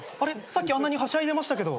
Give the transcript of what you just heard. さっきあんなにはしゃいでましたけど。